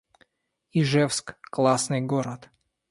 Ижевск — классный город